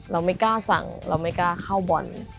เราไม่กล้าสั่งเราไม่กล้าเข้าบอล